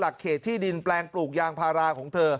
เขตที่ดินแปลงปลูกยางพาราของเธอ